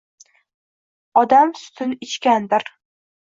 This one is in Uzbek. Odamsutin ichgandir.